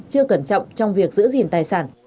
chưa cẩn trọng trong việc giữ gìn tài sản